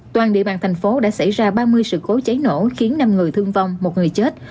toàn địa bàn thành phố đã xảy ra ba mươi sự cố cháy nổ khiến năm người thương vong một người chết